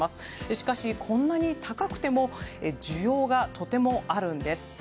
しかし、こんなに高くても需要がとてもあるんです。